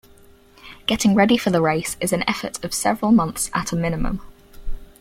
Getting ready for the race is an effort of several months at a minimum.